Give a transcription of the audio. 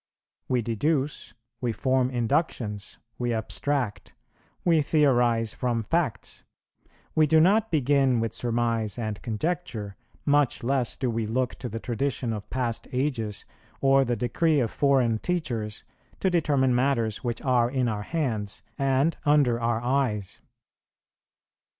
We deduce, we form inductions, we abstract, we theorize from facts; we do not begin with surmise and conjecture, much less do we look to the tradition of past ages, or the decree of foreign teachers, to determine matters which are in our hands and under our eyes.